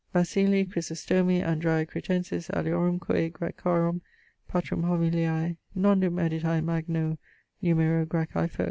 Basilii, Chrysostomi, Andreae Cretensis, aliorumque Graecorum patrum Homiliae, nondum editae magno numero, Graecè, fol.